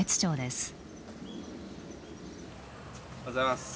おはようございます。